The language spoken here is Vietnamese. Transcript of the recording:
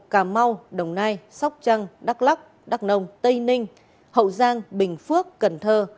cà mau đồng nai sóc trăng đắk lắc đắk nông tây ninh hậu giang bình phước cần thơ